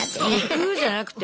じゃなくて。